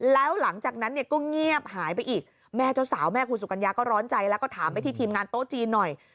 แล้วหลังจากนั้นเนี่ยก็เงียบหายไปอีกแม่เจ้าสาวแม่คุณสุกัญญาก็ร้อนใจแล้วก็ถามไปที่ทีมงานโต๊ะจีนหน่อย